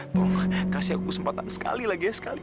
tolong kasih aku kesempatan sekali lagi ya sekali